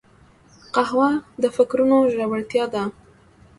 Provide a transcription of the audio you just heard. قهوه د فکرونو ژورتیا ده